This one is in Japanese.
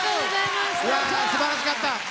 いやすばらしかった！